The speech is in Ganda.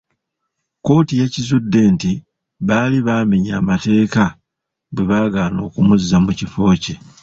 Kkooti yakizudde nti baali baamenya mateeka bwe baagaana okumuzza mu kifo kye.